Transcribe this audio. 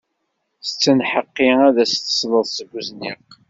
Tettenheqqi ad as-d-tesleḍ seg uzniq.